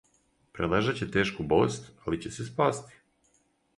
Прележаће тешку болест, али ће се спасти